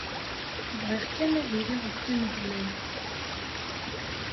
Bɣiɣ kan ad iliɣ d taneblalt.